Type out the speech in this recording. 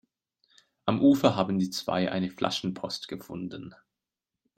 Am Ufer haben die zwei eine Flaschenpost gefunden.